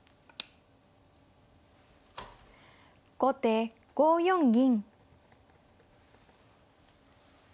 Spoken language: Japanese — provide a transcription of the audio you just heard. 後手５四銀。